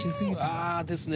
ああですね。